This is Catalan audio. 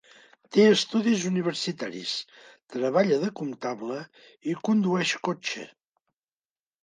Té estudis universitaris, treballa de comptable i condueix cotxe.